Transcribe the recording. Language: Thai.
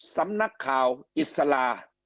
สำนักข่าวอิสลา